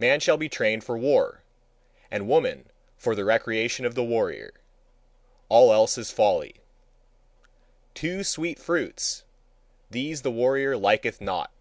Man shall be trained for war, and woman for the recreation of the warrior: all else is folly. Too sweet fruits these the warrior liketh not.